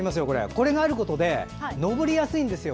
これがあることで登りやすいんですよ